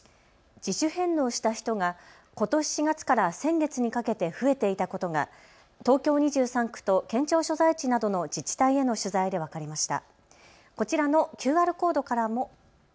自主返納した人がことし４月から先月にかけて増えていたことが東京２３区と県庁所在地などの自治体への取材で分かりました。